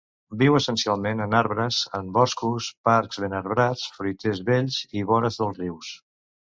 Viu essencialment en arbres; en boscos, parcs ben arbrats, fruiters vells i vores dels rius.